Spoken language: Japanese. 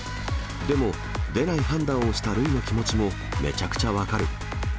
でも出ない判断をした塁の気持ちもめちゃくちゃ分かる。